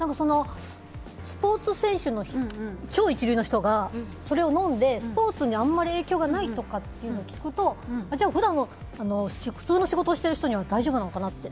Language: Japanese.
スポーツ選手の超一流の人がそれを飲んでスポーツにあまり影響がないとかって聞くとじゃあ、普段普通の仕事をしている人には大丈夫なのかなって。